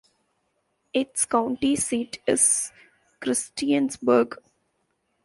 Its county seat is Christiansburg.